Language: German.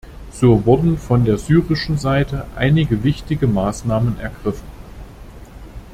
So wurden von der syrischen Seite einige wichtige Maßnahmen ergriffen.